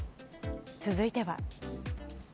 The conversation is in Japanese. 続いては。